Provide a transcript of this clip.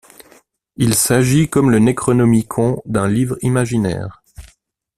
Il s'agit, comme le Necronomicon, d'un livre imaginaire.